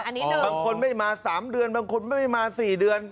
บางคนไม่มา๓เดือนบางคนไม่มา๔เดือน